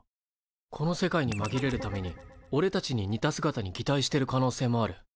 この世界にまぎれるためにおれたちに似た姿にぎたいしてる可能性もある。